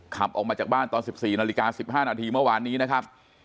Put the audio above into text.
ขับออกมาจากบ้านตอน๑๔นาฬิกา๑๕นาทีเมื่อวานนี้นะครับ